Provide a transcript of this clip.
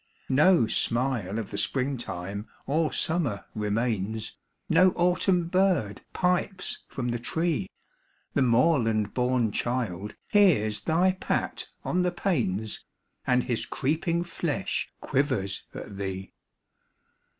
No smile of the Spring time or Summer remains, No Autumn bird pipes from the tree ; The moorland born child hears thy pat on the panes, And his creeping flesh quivers at thee.